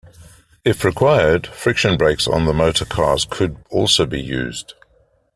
If required, friction brakes on the motor cars could also be used.